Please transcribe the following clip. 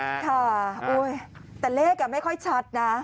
ค่ะแต่เลขไม่ค่อยชัดนะ